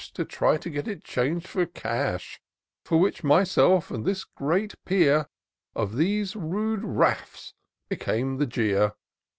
To try to get it chang'd for cash ; For which, myself and this great peer, Of these rude raff, became the jeer.